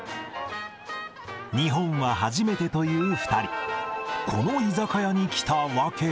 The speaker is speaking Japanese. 日本は初めてという２人。